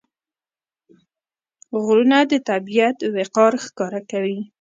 غرونه د طبیعت وقار ښکاره کوي.